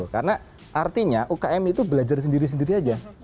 karena artinya ukm itu belajar sendiri sendiri aja